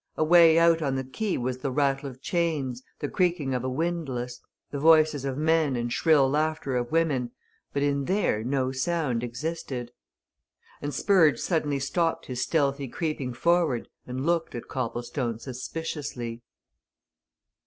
Away out on the quay was the rattle of chains, the creaking of a windlass, the voices of men and shrill laughter of women, but in there no sound existed. And Spurge suddenly stopped his stealthy creeping forward and looked at Copplestone suspiciously.